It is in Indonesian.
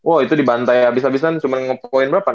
oh itu dibantai abis abisan cuman ngepoin berapa enam